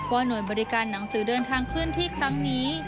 หน่วยบริการหนังสือเดินทางเคลื่อนที่ครั้งนี้